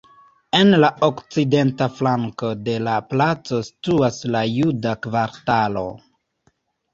En la okcidenta flanko de la placo situas la juda kvartalo.